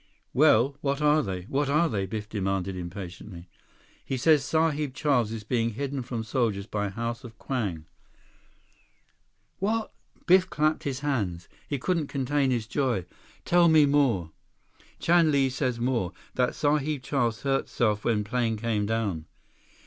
"Well, what are they? What are they?" Biff demanded impatiently. "He says Sahib Charles is being hidden from soldiers by House of Kwang." "What!" Biff clapped his hands. He couldn't contain his joy. "Tell me more." "Chan Li says more, that Sahib Charles hurt self when plane come down."